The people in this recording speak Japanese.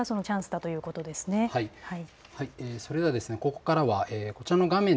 今がそのチャンスだということですね。